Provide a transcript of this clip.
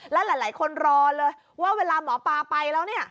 แล้วหลายคนรอเลยว่าเวลาหมอปลาไปแล้ว